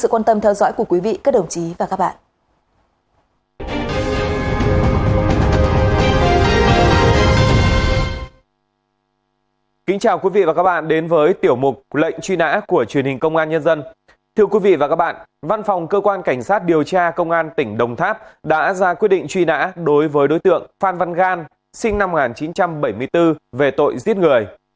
quý vị và các bạn văn phòng cơ quan cảnh sát điều tra công an tỉnh đồng tháp đã ra quyết định truy nã đối với đối tượng phan văn gan sinh năm một nghìn chín trăm bảy mươi bốn về tội giết người